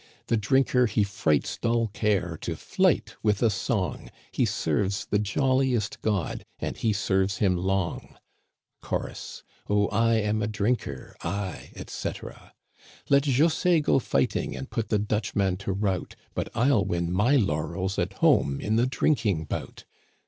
The drinker he frights dull care To flight with a song — He serves the jolliest god, And he serves him long ! Chorus, Oh, I am a drinker, I, etc. Digitized by VjOOQIC 122 THE CANADIANS OF OLD. " Let José go fighting and put The Dutchman to rout, But 1*11 win my laurels at home In the drinking bout